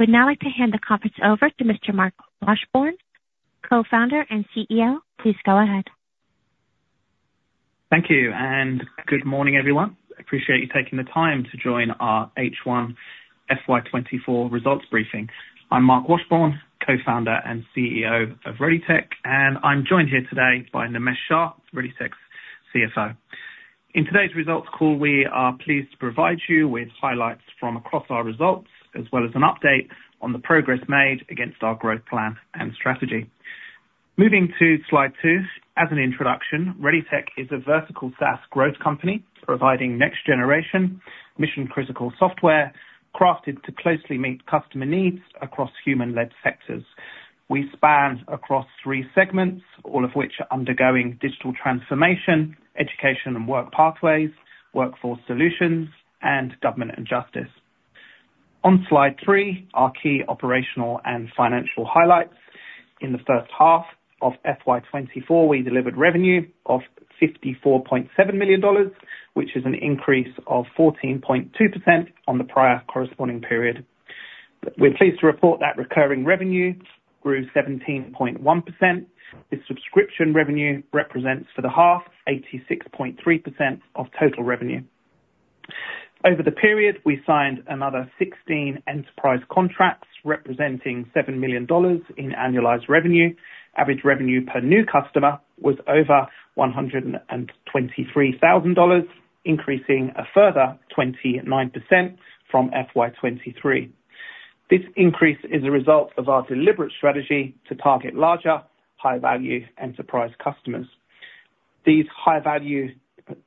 I would now like to hand the conference over to Mr. Marc Washbourne, Co-Founder and CEO. Please go ahead. Thank you, and good morning everyone. Appreciate you taking the time to join our H1 FY 2024 results briefing. I'm Marc Washbourne, Co-founder and CEO of ReadyTech, and I'm joined here today by Nimesh Shah, ReadyTech's CFO. In today's results call, we are pleased to provide you with highlights from across our results as well as an update on the progress made against our growth plan and strategy. Moving to Slide 2, as an introduction, ReadyTech is a vertical SaaS growth company providing next-generation, mission-critical software crafted to closely meet customer needs across human-led sectors. We span across three segments, all of which are undergoing digital transformation, Education and Work Pathways, Workforce Solutions, and Government and Justice. On Slide 3, our key operational and financial highlights. In the first half of FY 2024, we delivered revenue of 54.7 million dollars, which is an increase of 14.2% on the prior corresponding period. We're pleased to report that recurring revenue grew 17.1%. The subscription revenue represents, for the half, 86.3% of total revenue. Over the period, we signed another 16 enterprise contracts representing 7 million dollars in annualized revenue. Average revenue per new customer was over 123,000 dollars, increasing a further 29% from FY 2023. This increase is a result of our deliberate strategy to target larger, high-value enterprise customers. These high-value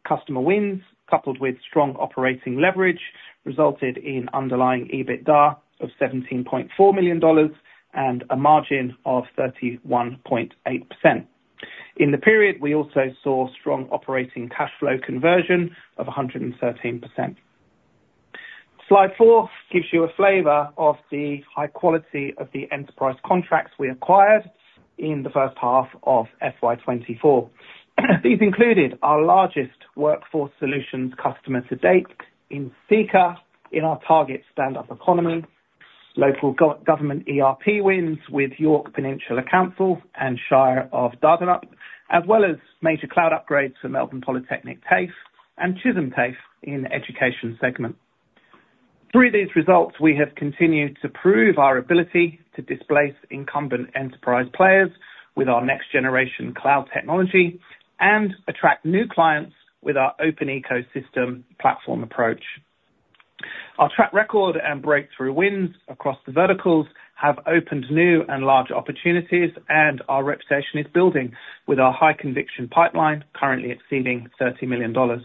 customer wins, coupled with strong operating leverage, resulted in underlying EBITDA of AUD 17.4 million and a margin of 31.8%. In the period, we also saw strong operating cash flow conversion of 113%. Slide four gives you a flavor of the high quality of the enterprise contracts we acquired in the first half of FY 2024. These included our largest Workforce Solutions customer to date in Seeka in our target Stand Up Economy, local government ERP wins with Yorke Peninsula Council and Shire of Dardanup, as well as major cloud upgrades for Melbourne Polytechnic TAFE and Chisholm TAFE in the education segment. Through these results, we have continued to prove our ability to displace incumbent enterprise players with our next-generation cloud technology and attract new clients with our open ecosystem platform approach. Our track record and breakthrough wins across the verticals have opened new and large opportunities, and our reputation is building with our high-conviction pipeline currently exceeding 30 million dollars.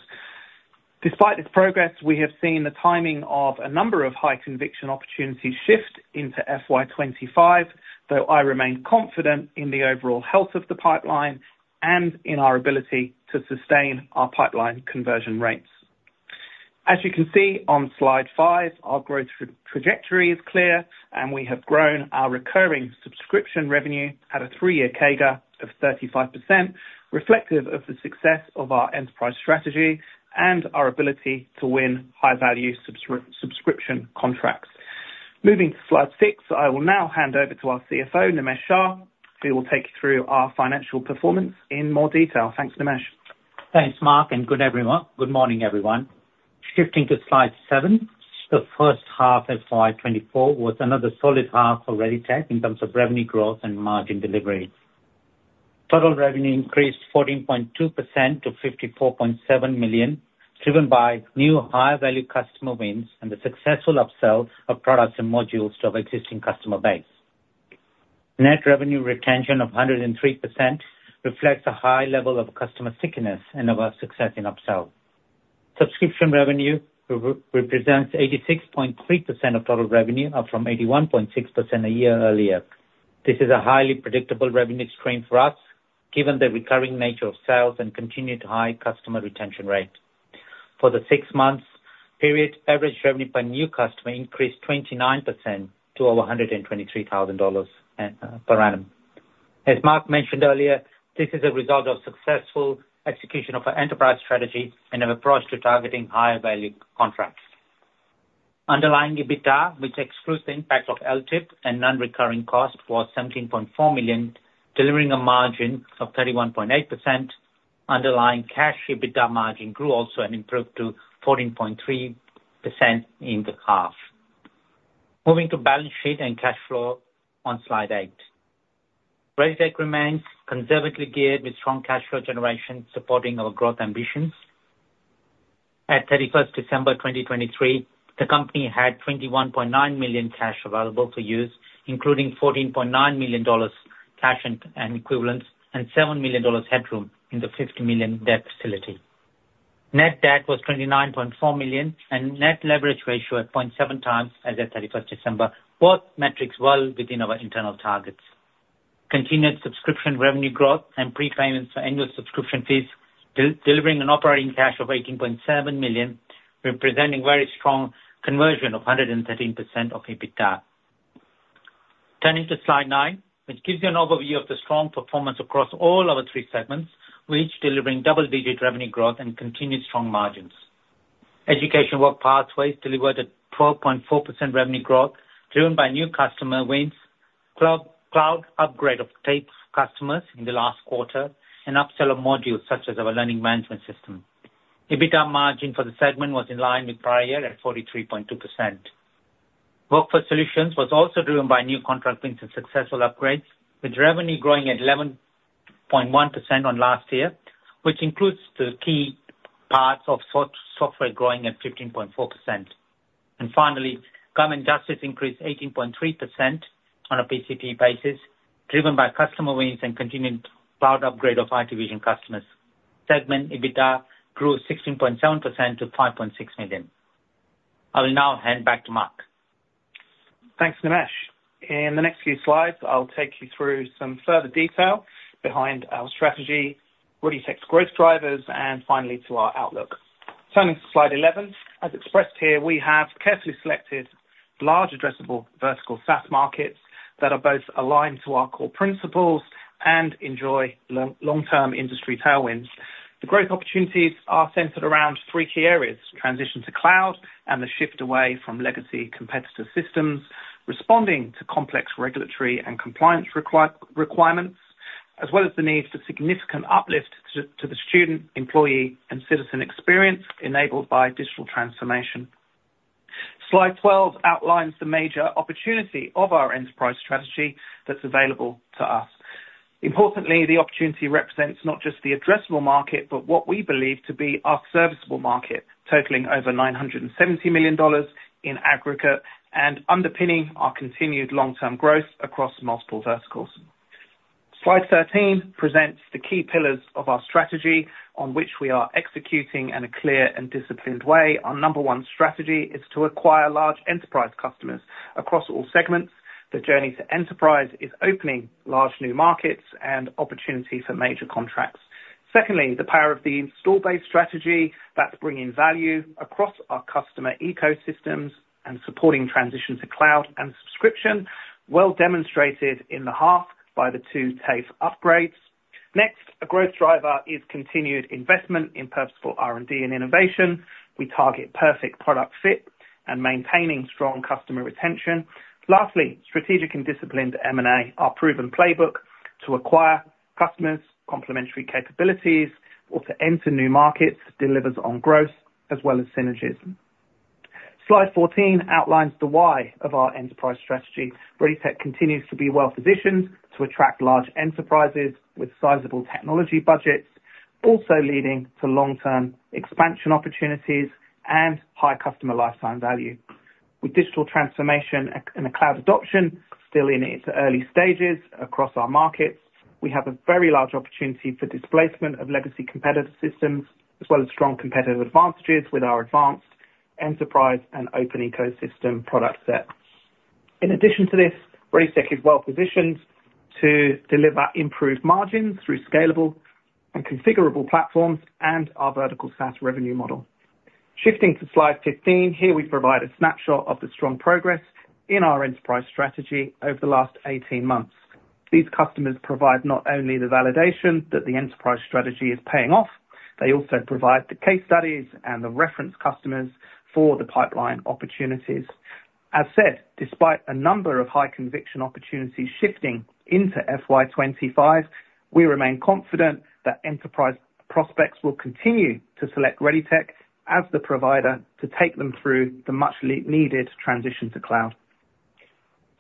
Despite this progress, we have seen the timing of a number of high-conviction opportunities shift into FY 2025, though I remain confident in the overall health of the pipeline and in our ability to sustain our pipeline conversion rates. As you can see on Slide 5, our growth trajectory is clear, and we have grown our recurring subscription revenue at a three-year CAGR of 35%, reflective of the success of our enterprise strategy and our ability to win high-value subscription contracts. Moving to Slide 6, I will now hand over to our CFO, Nimesh Shah, who will take you through our financial performance in more detail. Thanks, Nimesh. Thanks, Marc, and good morning, everyone. Shifting to Slide 7, the first half of FY 2024 was another solid half for ReadyTech in terms of revenue growth and margin delivery. Total revenue increased 14.2% to 54.7 million, driven by new high-value customer wins and the successful upsell of products and modules to our existing customer base. Net revenue retention of 103% reflects a high level of customer stickiness and of our success in upsell. Subscription revenue represents 86.3% of total revenue, up from 81.6% a year earlier. This is a highly predictable revenue stream for us given the recurring nature of sales and continued high customer retention rate. For the 6-month period, average revenue per new customer increased 29% to over 123,000 dollars per annum. As Marc mentioned earlier, this is a result of successful execution of our enterprise strategy and of approach to targeting high-value contracts. Underlying EBITDA, which excludes the impact of LTIP and non-recurring cost, was 17.4 million, delivering a margin of 31.8%. Underlying cash EBITDA margin grew also and improved to 14.3% in the half. Moving to balance sheet and cash flow on Slide 8, ReadyTech remains conservatively geared with strong cash flow generation supporting our growth ambitions. At 31st December 2023, the company had 21.9 million cash available for use, including 14.9 million dollars cash and equivalents and 7 million dollars headroom in the 50 million debt facility. Net debt was 29.4 million and net leverage ratio at 0.7 times as at 31st December, both metrics well within our internal targets. Continued subscription revenue growth and prepayments for annual subscription fees, delivering an operating cash of 18.7 million, representing very strong conversion of 113% of EBITDA. Turning to Slide 9, which gives you an overview of the strong performance across all our three segments, with each delivering double-digit revenue growth and continued strong margins. Education Work Pathways delivered a 12.4% revenue growth driven by new customer wins, cloud upgrade of TAFE customers in the last quarter, and upsell of modules such as our learning management system. EBITDA margin for the segment was in line with prior year at 43.2%. Workforce Solutions was also driven by new contract wins and successful upgrades, with revenue growing at 11.1% on last year, which includes the key parts of software growing at 15.4%. And finally, Government Justice increased 18.3% on a PCP basis, driven by customer wins and continued cloud upgrade of IT Vision customers. Segment EBITDA grew 16.7% to 5.6 million. I will now hand back to Marc. Thanks, Nimesh. In the next few slides, I'll take you through some further detail behind our strategy, ReadyTech's growth drivers, and finally to our outlook. Turning to Slide 11, as expressed here, we have carefully selected large addressable Vertical SaaS markets that are both aligned to our core principles and enjoy long-term industry tailwinds. The growth opportunities are centered around three key areas: transition to cloud and the shift away from legacy competitor systems, responding to complex regulatory and compliance requirements, as well as the need for significant uplift to the student, employee, and citizen experience enabled by digital transformation. Slide 12 outlines the major opportunity of our enterprise strategy that's available to us. Importantly, the opportunity represents not just the addressable market but what we believe to be our serviceable market, totaling over 970 million dollars in aggregate and underpinning our continued long-term growth across multiple verticals. Slide 13 presents the key pillars of our strategy on which we are executing in a clear and disciplined way. Our number one strategy is to acquire large enterprise customers across all segments. The journey to enterprise is opening large new markets and opportunity for major contracts. Secondly, the power of the install-based strategy that's bringing value across our customer ecosystems and supporting transition to cloud and subscription, well demonstrated in the half by the 2 TAFE upgrades. Next, a growth driver is continued investment in purposeful R&D and innovation. We target perfect product fit and maintaining strong customer retention. Lastly, strategic and disciplined M&A, our proven playbook to acquire customers' complementary capabilities or to enter new markets delivers on growth as well as synergism. Slide 14 outlines the why of our enterprise strategy. ReadyTech continues to be well-positioned to attract large enterprises with sizable technology budgets, also leading to long-term expansion opportunities and high customer lifetime value. With digital transformation and the cloud adoption still in its early stages across our markets, we have a very large opportunity for displacement of legacy competitor systems as well as strong competitive advantages with our advanced enterprise and open ecosystem product set. In addition to this, ReadyTech is well-positioned to deliver improved margins through scalable and configurable platforms and our vertical SaaS revenue model. Shifting to Slide 15, here we provide a snapshot of the strong progress in our enterprise strategy over the last 18 months. These customers provide not only the validation that the enterprise strategy is paying off, they also provide the case studies and the reference customers for the pipeline opportunities. As said, despite a number of high-conviction opportunities shifting into FY 2025, we remain confident that enterprise prospects will continue to select ReadyTech as the provider to take them through the much-needed transition to cloud.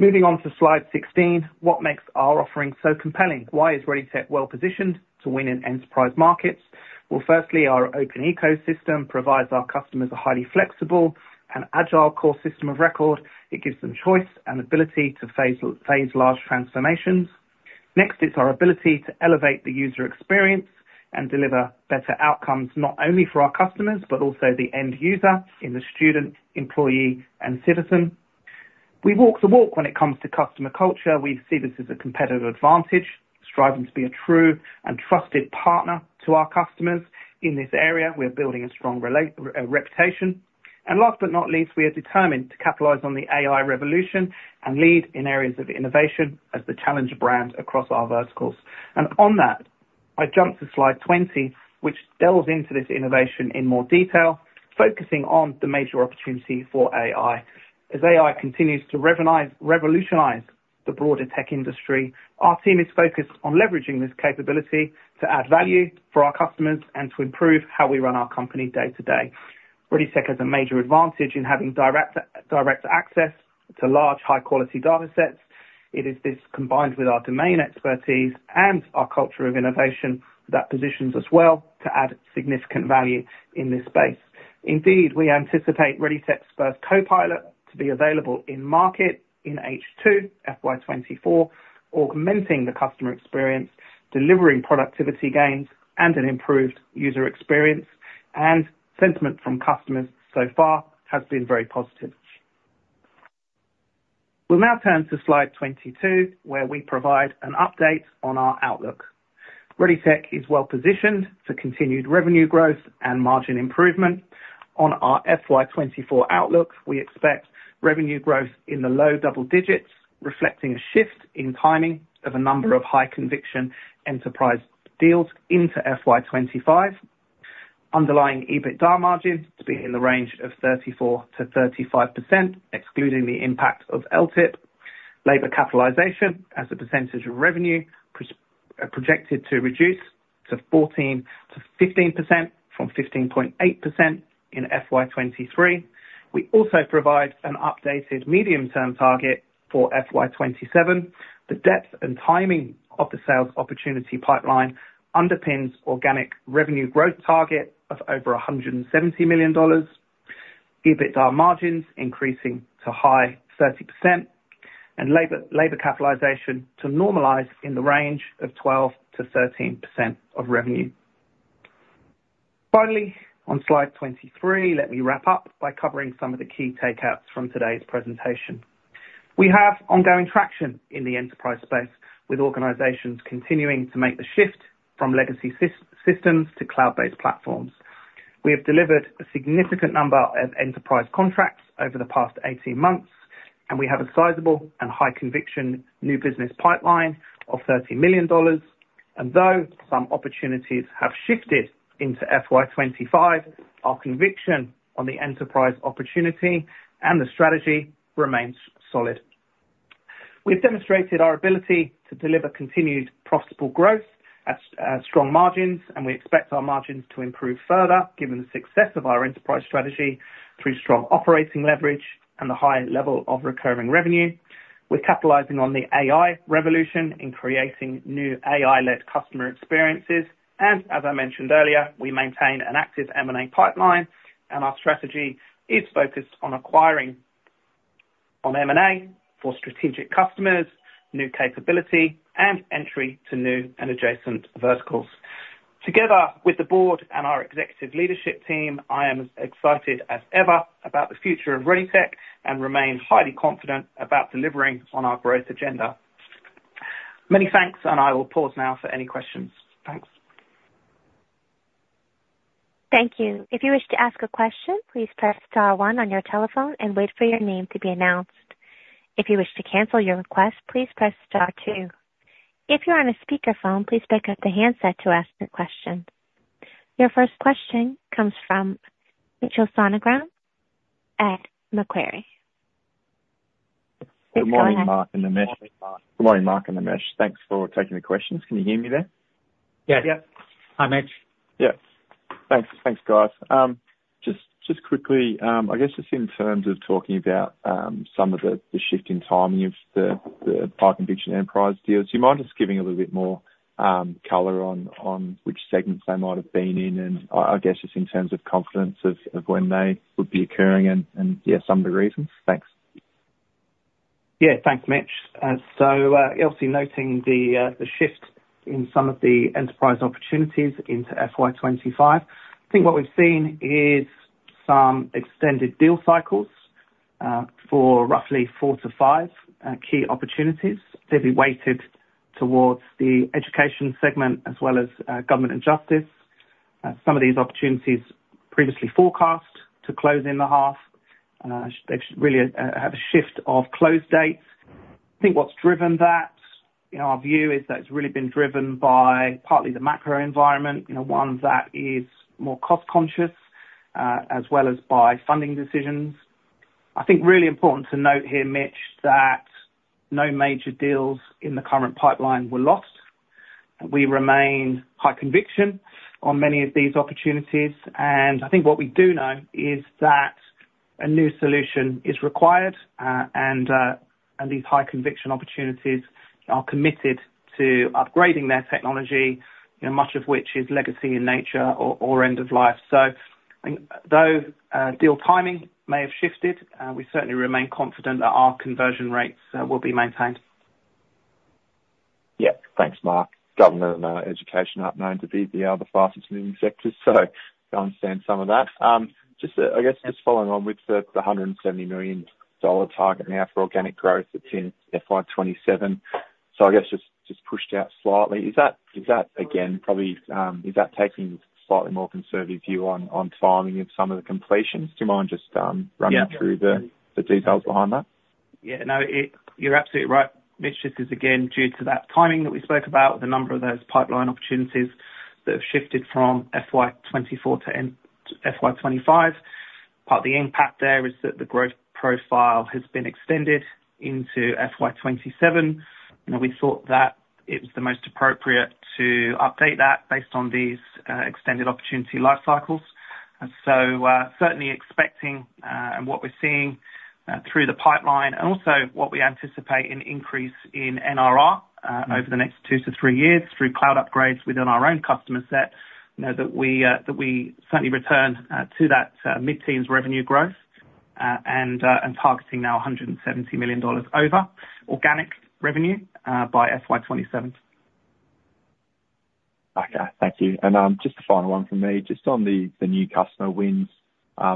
Moving on to Slide 16, what makes our offering so compelling? Why is ReadyTech well-positioned to win in enterprise markets? Well, firstly, our open ecosystem provides our customers a highly flexible and agile core system of record. It gives them choice and ability to phase large transformations. Next, it's our ability to elevate the user experience and deliver better outcomes not only for our customers but also the end user in the student, employee, and citizen. We walk the walk when it comes to customer culture. We see this as a competitive advantage, striving to be a true and trusted partner to our customers. In this area, we are building a strong reputation. Last but not least, we are determined to capitalize on the AI revolution and lead in areas of innovation as the challenger brand across our verticals. On that, I jump to Slide 20, which delves into this innovation in more detail, focusing on the major opportunity for AI. As AI continues to revolutionize the broader tech industry, our team is focused on leveraging this capability to add value for our customers and to improve how we run our company day to day. ReadyTech has a major advantage in having direct access to large, high-quality data sets. It is this combined with our domain expertise and our culture of innovation that positions us well to add significant value in this space. Indeed, we anticipate ReadyTech's first Copilot to be available in market in H2, FY 2024, augmenting the customer experience, delivering productivity gains and an improved user experience. Sentiment from customers so far has been very positive. We'll now turn to Slide 22, where we provide an update on our outlook. ReadyTech is well-positioned for continued revenue growth and margin improvement. On our FY 2024 outlook, we expect revenue growth in the low double digits, reflecting a shift in timing of a number of high-conviction enterprise deals into FY 2025. Underlying EBITDA margin to be in the range of 34%-35%, excluding the impact of LTIP. Labor capitalization as a percentage of revenue projected to reduce to 14%-15% from 15.8% in FY 2023. We also provide an updated medium-term target for FY 2027. The depth and timing of the sales opportunity pipeline underpins organic revenue growth target of over 170 million dollars. EBITDA margins increasing to high 30% and labor capitalization to normalize in the range of 12%-13% of revenue. Finally, on Slide 23, let me wrap up by covering some of the key takeouts from today's presentation. We have ongoing traction in the enterprise space, with organizations continuing to make the shift from legacy systems to cloud-based platforms. We have delivered a significant number of enterprise contracts over the past 18 months, and we have a sizable and high-conviction new business pipeline of 30 million dollars. Though some opportunities have shifted into FY 2025, our conviction on the enterprise opportunity and the strategy remains solid. We have demonstrated our ability to deliver continued profitable growth at strong margins, and we expect our margins to improve further given the success of our enterprise strategy through strong operating leverage and the high level of recurring revenue. We're capitalizing on the AI revolution in creating new AI-led customer experiences. As I mentioned earlier, we maintain an active M&A pipeline, and our strategy is focused on acquiring M&A for strategic customers, new capability, and entry to new and adjacent verticals. Together with the Board and our executive leadership team, I am as excited as ever about the future of ReadyTech and remain highly confident about delivering on our growth agenda. Many thanks, and I will pause now for any questions. Thanks. Thank you. If you wish to ask a question, please press star one on your telephone and wait for your name to be announced. If you wish to cancel your request, please press star two. If you're on a speakerphone, please pick up the handset to ask a question. Your first question comes from Mitchell Sonogan at Macquarie. Good morning, Marc and Nimesh. Good morning, Marc and Nimesh. Thanks for taking the questions. Can you hear me there? Yes. Hi, Mitch. Yeah. Thanks, guys. Just quickly, I guess just in terms of talking about some of the shift in timing of the high-conviction enterprise deals, do you mind just giving a little bit more color on which segments they might have been in? And I guess just in terms of confidence of when they would be occurring and, yeah, some of the reasons? Thanks. Yeah, thanks, Mitch. So, also noting the shift in some of the enterprise opportunities into FY 2025, I think what we've seen is some extended deal cycles for roughly 4-5 key opportunities. They've been weighted towards the education segment as well as Government and Justice. Some of these opportunities previously forecast to close in the half. They've really had a shift of close dates. I think what's driven that, in our view, is that it's really been driven by partly the macro environment, one that is more cost-conscious, as well as by funding decisions. I think really important to note here, Mitch, that no major deals in the current pipeline were lost. We remain high conviction on many of these opportunities. I think what we do know is that a new solution is required, and these high-conviction opportunities are committed to upgrading their technology, much of which is legacy in nature or end-of-life. Though deal timing may have shifted, we certainly remain confident that our conversion rates will be maintained. Yeah. Thanks, Marc. Government and education are known to be the other fastest-moving sectors, so I understand some of that. I guess just following on with the 170 million dollar target now for organic growth that's in FY 2027, so I guess just pushed out slightly, is that, again, probably is that taking a slightly more conservative view on timing of some of the completions? Do you mind just running through the details behind that? Yeah. No, you're absolutely right, Mitch, just because, again, due to that timing that we spoke about, the number of those pipeline opportunities that have shifted from FY 2024 to FY 2025, part of the impact there is that the growth profile has been extended into FY 2027. We thought that it was the most appropriate to update that based on these extended opportunity life cycles. So certainly expecting and what we're seeing through the pipeline and also what we anticipate an increase in NRR over the next two to three years through cloud upgrades within our own customer set that we certainly return to that mid-teens revenue growth and targeting now 170 million dollars of organic revenue by FY 2027. Okay. Thank you. And just the final one from me. Just on the new customer wins,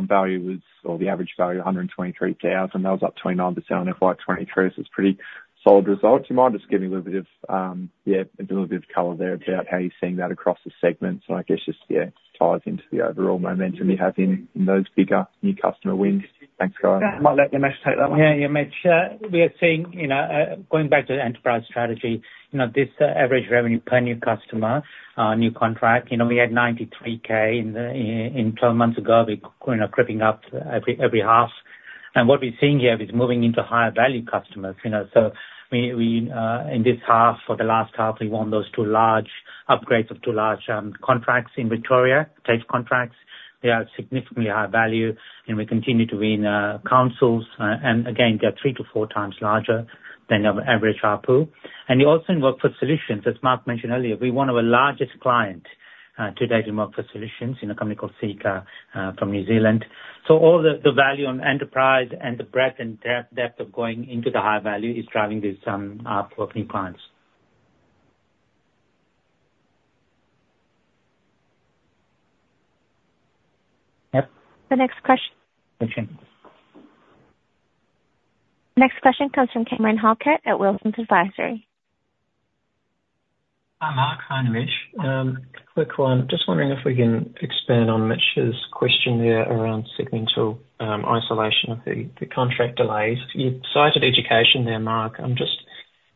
value was or the average value of 123,000. That was up 29% on FY 2023, so it's a pretty solid result. Do you mind just giving a little bit of, yeah, a little bit of color there about how you're seeing that across the segments? And I guess just, yeah, ties into the overall momentum you have in those bigger new customer wins. Thanks, guys. I might let Nimesh take that one. Yeah, yeah, Mitch. We are seeing, going back to the enterprise strategy, this average revenue per new customer, new contract, we had 93,000 12 months ago. We're creeping up every half. And what we're seeing here is moving into higher-value customers. So in this half, for the last half, we won those two large upgrades of two large contracts in Victoria, TAFE contracts. They are significantly higher value, and we continue to win councils. And again, they're 3-4 times larger than our average ARPU. And we also in Workforce Solutions, as Marc mentioned earlier, we're one of the largest clients to date in Workforce Solutions in a company called Seeka from New Zealand. So all the value on enterprise and the breadth and depth of going into the high value is driving these ARPU of new clients. Yep. The next question. Question. Next question comes from Cameron Halkett at Wilsons Advisory. Hi, Marc. Hi, Nimesh. Quick one. Just wondering if we can expand on Mitch's question there around segmental isolation of the contract delays. You cited education there, Marc. I'm just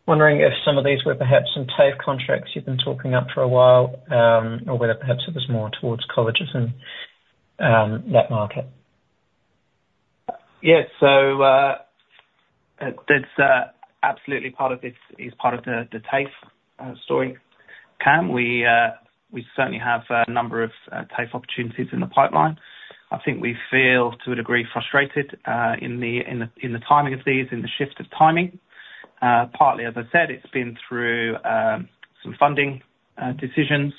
wondering if some of these were perhaps some TAFE contracts you've been talking up for a while or whether perhaps it was more towards colleges in that market. Yeah. So that's absolutely part of it is part of the TAFE story, Cam. We certainly have a number of TAFE opportunities in the pipeline. I think we feel, to a degree, frustrated in the timing of these, in the shift of timing. Partly, as I said, it's been through some funding decisions,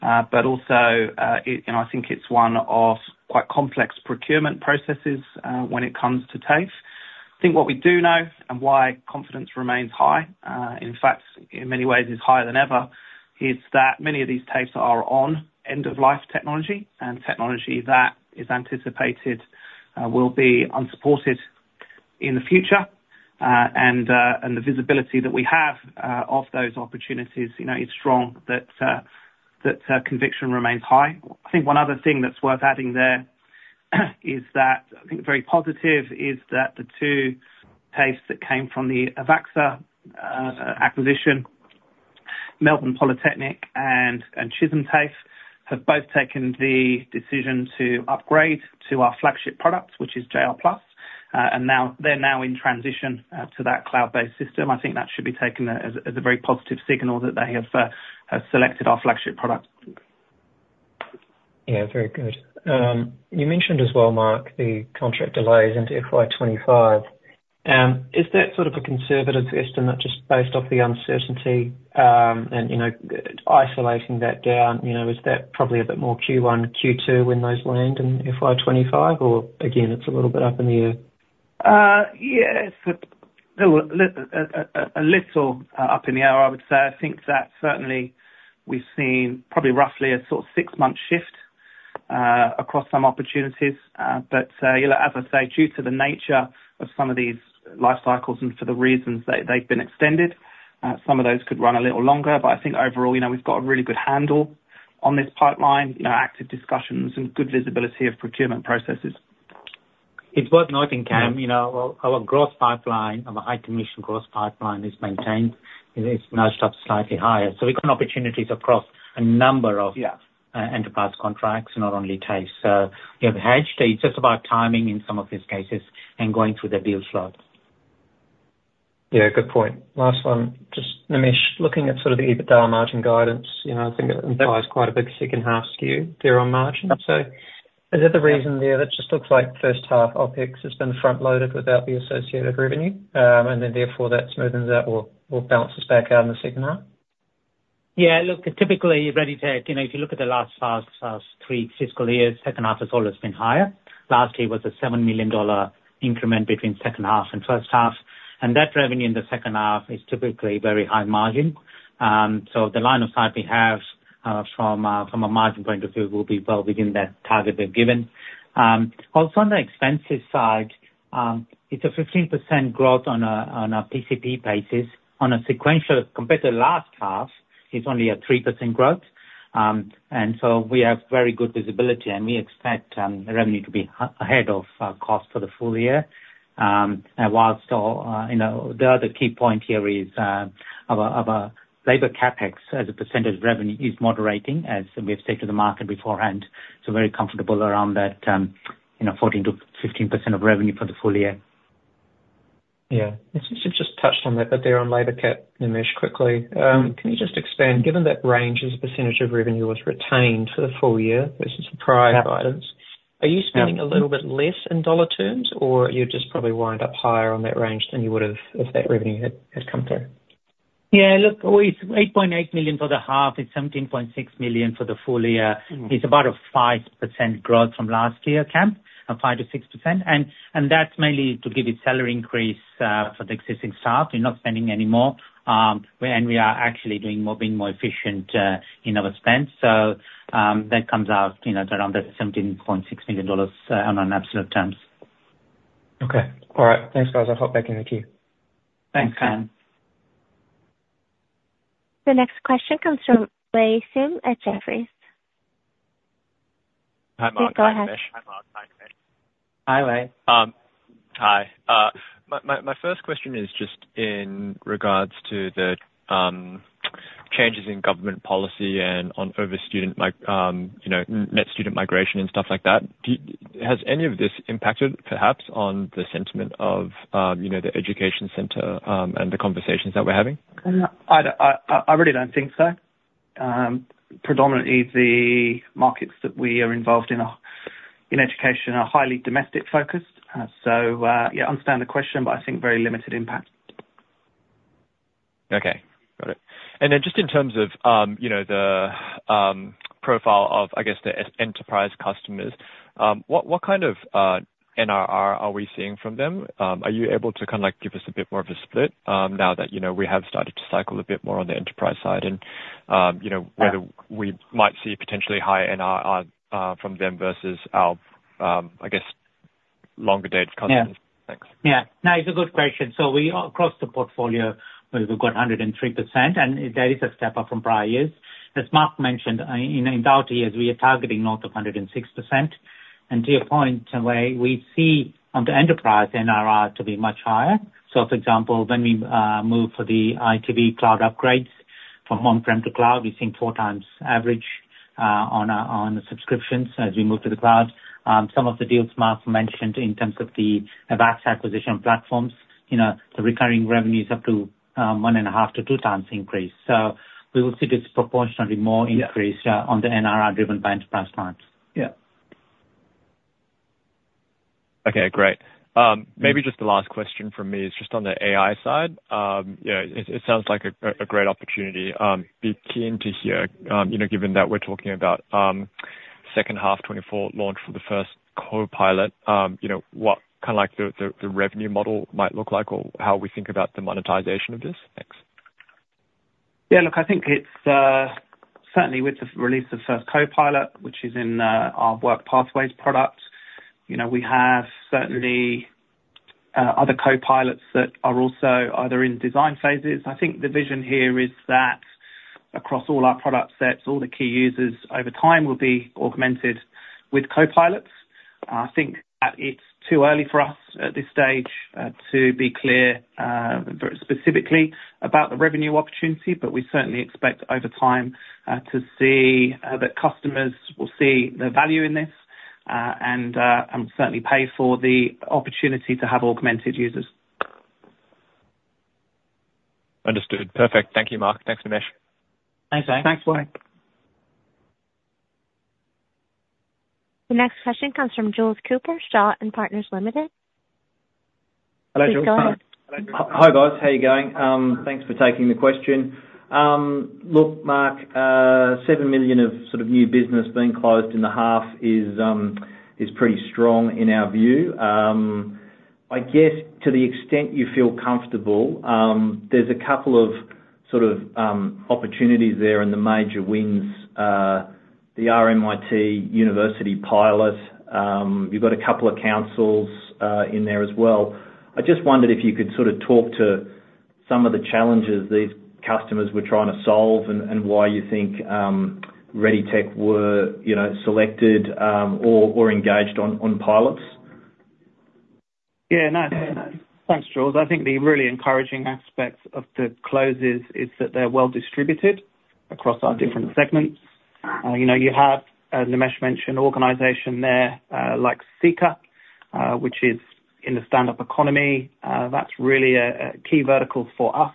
but also I think it's one of quite complex procurement processes when it comes to TAFE. I think what we do know and why confidence remains high, in fact, in many ways, is higher than ever, is that many of these TAFEs are on end-of-life technology and technology that is anticipated will be unsupported in the future. And the visibility that we have of those opportunities is strong that conviction remains high. I think one other thing that's worth adding there is that I think very positive is that the two TAFEs that came from the Avaxa acquisition, Melbourne Polytechnic, and Chisholm TAFE have both taken the decision to upgrade to our flagship product, which is JR Plus. They're now in transition to that cloud-based system. I think that should be taken as a very positive signal that they have selected our flagship product. Yeah. Very good. You mentioned as well, Marc, the contract delays into FY 2025. Is that sort of a conservative estimate just based off the uncertainty and isolating that down? Is that probably a bit more Q1, Q2 when those land in FY 2025, or again, it's a little bit up in the air? Yes. A little up in the air, I would say. I think that certainly we've seen probably roughly a sort of six-month shift across some opportunities. But as I say, due to the nature of some of these life cycles and for the reasons that they've been extended, some of those could run a little longer. But I think overall, we've got a really good handle on this pipeline, active discussions, and good visibility of procurement processes. It's worth noting, Cam, our growth pipeline, our high-commission growth pipeline, is maintained. It's nudged up slightly higher. So we've got opportunities across a number of enterprise contracts, not only TAFE. So you have hedged. It's just about timing in some of these cases and going through the deal slope. Yeah. Good point. Last one. Just Nimesh, looking at sort of the EBITDA margin guidance, I think it implies quite a big second-half skew there on margin. So is there the reason there that just looks like first-half OpEx has been front-loaded without the associated revenue, and then therefore that smoothens out or balances back out in the second half? Yeah. Look, typically, ReadyTech, if you look at the last three fiscal years, second half has always been higher. Last year was an 7 million dollar increment between second half and first half. And that revenue in the second half is typically very high margin. So the line of sight we have from a margin point of view will be well within that target we've given. Also, on the expenses side, it's a 15% growth on a PCP basis. On a sequential compared to the last half, it's only a 3% growth. And so we have very good visibility, and we expect revenue to be ahead of cost for the full year. While the other key point here is our labor CapEx as a percentage of revenue is moderating, as we have said to the market beforehand, so very comfortable around that 14%-15% of revenue for the full year. Yeah. Nimesh had just touched on that, but there on labor cap, Nimesh, quickly. Can you just expand, given that range as a percentage of revenue was retained for the full year versus the prior guidance, are you spending a little bit less in dollar terms, or you'd just probably wind up higher on that range than you would have if that revenue had come through? Yeah. Look, 8.8 million for the half is 17.6 million for the full year. It's about a 5% growth from last year, Cam, a 5%-6%. And that's mainly to give you salary increase for the existing staff. You're not spending any more. And we are actually being more efficient in our spend. So that comes out at around that 17.6 million dollars on absolute terms. Okay. All right. Thanks, guys. I'll hop back in the queue. Thanks, Cam. The next question comes from Wei Sim at Jefferies. Hi, Marc. Yeah. Go ahead. Hi, Marc. Hi, Nimesh. Hi, Wei. Hi. My first question is just in regards to the changes in government policy and on over-student net student migration and stuff like that. Has any of this impacted, perhaps, on the sentiment of the education center and the conversations that we're having? I really don't think so. Predominantly, the markets that we are involved in education are highly domestic-focused. So yeah, understand the question, but I think very limited impact. Okay. Got it. And then just in terms of the profile of, I guess, the enterprise customers, what kind of NRR are we seeing from them? Are you able to kind of give us a bit more of a split now that we have started to cycle a bit more on the enterprise side and whether we might see potentially higher NRR from them versus our, I guess, longer-dated customers? Thanks. Yeah. No, it's a good question. So across the portfolio, we've got 103%, and that is a step up from prior years. As Marc mentioned, in ITV, we are targeting north of 106%. And to your point, Wei, we see on the enterprise NRR to be much higher. So for example, when we move for the ITV cloud upgrades from on-prem to cloud, we're seeing 4 times average on the subscriptions as we move to the cloud. Some of the deals Marc mentioned in terms of the Avaxa acquisition platforms, the recurring revenue is up to 1.5-2 times increase. So we will see disproportionately more increase on the NRR driven by enterprise clients. Yeah. Okay. Great. Maybe just the last question from me is just on the AI side. It sounds like a great opportunity. Be keen to hear, given that we're talking about second half 2024 launch for the first Copilot, what kind of the revenue model might look like or how we think about the monetization of this. Thanks. Yeah. Look, I think certainly with the release of the first Copilot, which is in our Work Pathways product, we have certainly other Copilots that are also either in design phases. I think the vision here is that across all our product sets, all the key users over time will be augmented with Copilots. I think that it's too early for us at this stage to be clear specifically about the revenue opportunity, but we certainly expect over time to see that customers will see the value in this and certainly pay for the opportunity to have augmented users. Understood. Perfect. Thank you, Marc. Thanks, Nimesh. Thanks, Wei. The next question comes from Jules Cooper, Shaw & Partners Limited. Hello, Jules. Please go ahead. Hi, guys. How are you going? Thanks for taking the question. Look, Marc, 7 million of sort of new business being closed in the half is pretty strong in our view. I guess to the extent you feel comfortable, there's a couple of sort of opportunities there in the major wins, the RMIT University pilot. You've got a couple of councils in there as well. I just wondered if you could sort of talk to some of the challenges these customers were trying to solve and why you think ReadyTech were selected or engaged on pilots. Yeah. No. Thanks, Jules. I think the really encouraging aspect of the closes is that they're well-distributed across our different segments. You have, Nimesh mentioned, an organization there like Seeka, which is in the standup economy. That's really a key vertical for us.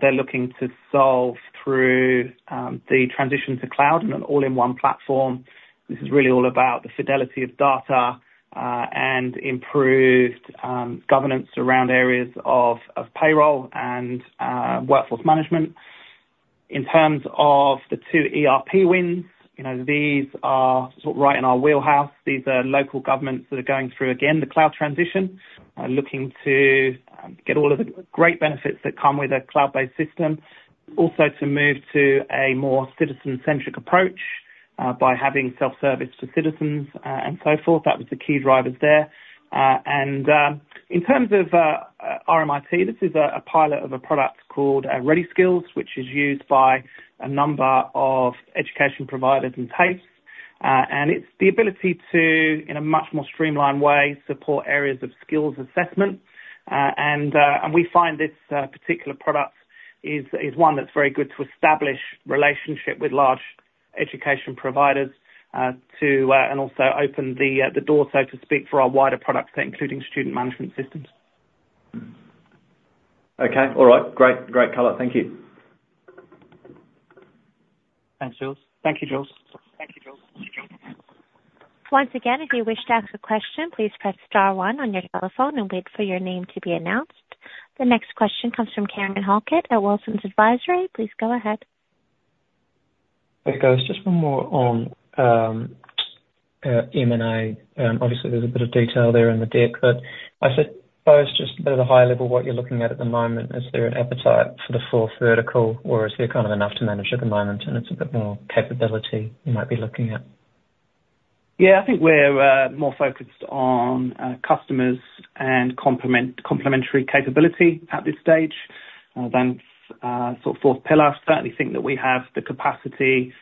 They're looking to solve through the transition to cloud and an all-in-one platform. This is really all about the fidelity of data and improved governance around areas of payroll and workforce management. In terms of the two ERP wins, these are sort of right in our wheelhouse. These are local governments that are going through, again, the cloud transition, looking to get all of the great benefits that come with a cloud-based system, also to move to a more citizen-centric approach by having self-service for citizens and so forth. That was the key drivers there. In terms of RMIT, this is a pilot of a product called Ready Skills, which is used by a number of education providers and TAFEs. It's the ability to, in a much more streamlined way, support areas of skills assessment. We find this particular product is one that's very good to establish relationships with large education providers and also open the door, so to speak, for our wider products there, including student management systems. Okay. All right. Great. Great color. Thank you. Thanks, Jules. Thank you, Jules. Thank you, Jules. Once again, if you wish to ask a question, please press star 1 on your telephone and wait for your name to be announced. The next question comes from Cameron Halkett at Wilsons Advisory. Please go ahead. Just one more on M&A. Obviously, there's a bit of detail there in the deck, but I suppose just a bit of the high level. What you're looking at at the moment, is there an appetite for the full vertical, or is there kind of enough to manage at the moment, and it's a bit more capability you might be looking at? Yeah. I think we're more focused on customers and complementary capability at this stage than sort of fourth pillar. Certainly, I think that we have the capacity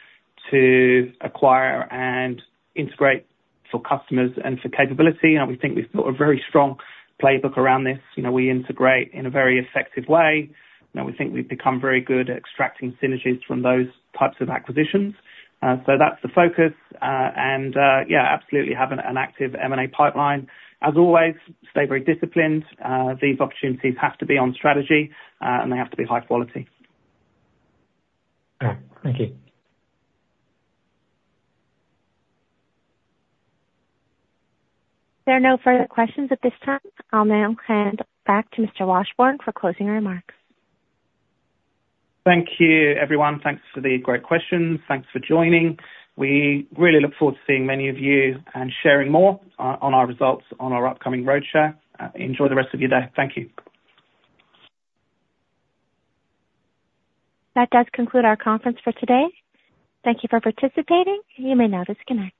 to acquire and integrate for customers and for capability. And we think we've built a very strong playbook around this. We integrate in a very effective way. And we think we've become very good at extracting synergies from those types of acquisitions. So that's the focus. And yeah, absolutely have an active M&A pipeline. As always, stay very disciplined. These opportunities have to be on strategy, and they have to be high quality. Okay. Thank you. There are no further questions at this time. I'll now hand back to Mr. Washbourne for closing remarks. Thank you, everyone. Thanks for the great questions. Thanks for joining. We really look forward to seeing many of you and sharing more on our results on our upcoming roadshow. Enjoy the rest of your day. Thank you. That does conclude our conference for today. Thank you for participating. You may now disconnect.